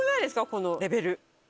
このレベル。